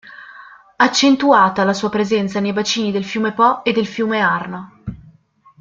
Accentuata la sua presenza nei bacini del fiume Po e del fiume Arno.